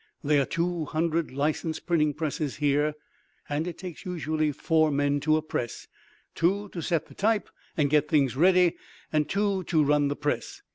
There are two hundred licensed printing presses here, and it takes usually four men to a press—two to set the type and get things ready, and two to run the press.